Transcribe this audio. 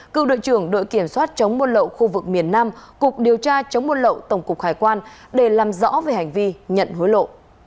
cựu đội trưởng đội kiểm soát chống buôn lậu khu vực miền nam cục điều tra chống buôn lậu tổng cục hải quan để làm rõ về hành vi nhận hối lộ